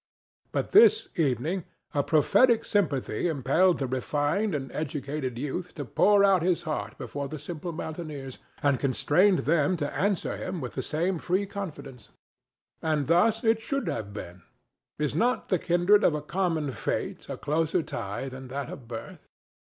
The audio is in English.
But this evening a prophetic sympathy impelled the refined and educated youth to pour out his heart before the simple mountaineers, and constrained them to answer him with the same free confidence. And thus it should have been. Is not the kindred of a common fate a closer tie than that of birth?